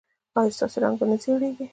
ایا ستاسو رنګ به نه زیړیږي؟